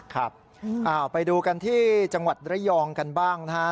ครับไปดูกันที่จังหวัดระยองกันบ้างนะฮะ